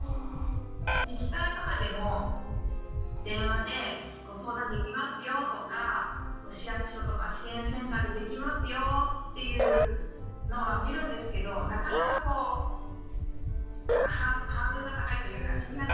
自治体とかでも「電話でご相談できますよ」とか「市役所とか支援センターでできますよ」っていうのは見るんですけどなかなかこうハードルが高いというか敷居が高くて。